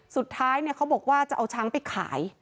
สุดท้ายเนี่ยเขาบอกว่าจะเอาช้างไปขาย